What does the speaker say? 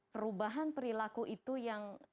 perubahan perilaku itu yang